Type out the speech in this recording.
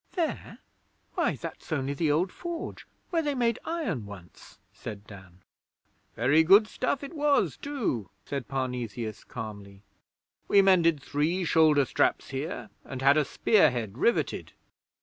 'There? Why, that's only the old Forge where they made iron once,' said Dan. 'Very good stuff it was too,' said Parnesius calmly. 'We mended three shoulder straps here and had a spear head riveted.